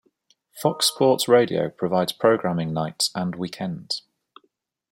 Fox Sports Radio provides programming nights and weekends.